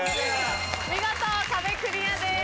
見事壁クリアです。